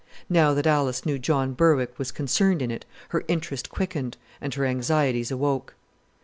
Now that Alice knew John Berwick was concerned in it her interest quickened and her anxieties awoke.